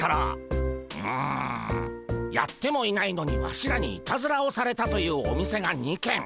うむやってもいないのにワシらにいたずらをされたというお店が２軒。